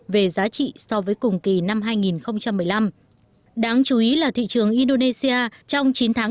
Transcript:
về giá trị so với cùng kỳ năm hai nghìn một mươi năm đáng chú ý là thị trường indonesia trong chín tháng